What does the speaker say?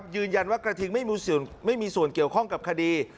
ยืนยันว่ากระทิงไม่มีส่วนเกี่ยวข้องกับคดี